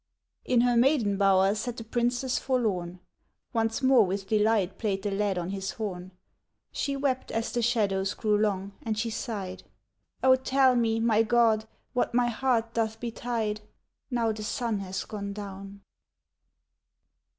In her maiden bower sat the Princess forlorn, Once more with delight played the lad on his horn. She wept as the shadows grew long, and she sighed: "Oh, tell me, my God, what my heart doth betide, Now the sun has gone down."